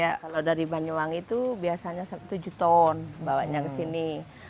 kalau dari banyuwangi itu biasanya tujuh ton bawanya ke sini